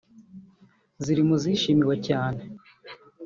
ziri mu zishimiwe cyane